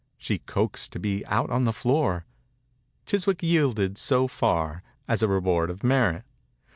She coaxed to be put on the floor. Chiswick yielded so far, as a re ward of merit.